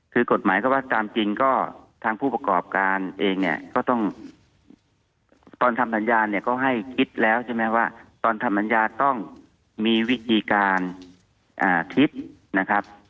คือกฎหมายก็ว่าตามจริงก็ทางผู้ประกอบการเองเนี่ยก็ต้องตอนทำสัญญาเนี่ยก็ให้คิดแล้วใช่ไหมว่าตอนทำสัญญาต้องมีวิธีการคิดนะครับ